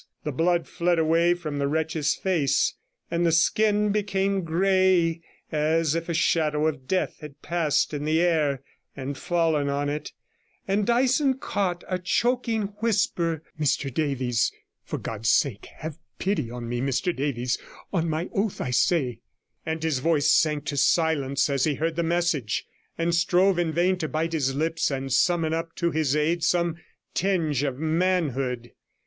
The blood fled away from the wretch's face, and the skin became grey as if a shadow of death had passed in the air and fallen on it, and Dyson caught a choking whisper, 'Mr Davies ! For God's sake, have pity on me, Mr Davies ! On my oath, I say ' and his voice sank to silence as he heard the message, and strove in vain to bite his lips, and summon up to his aid some tinge of manhood.